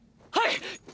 はい！！